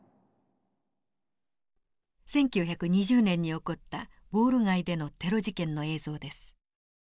１９２０年に起こったウォール街でのテロ事件の映像です。